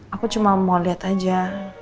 aku cuma mau lihat aja